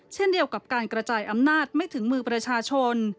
เช่นเดียวกับการกระจายอำนาจไม่ถึงมือประชาชน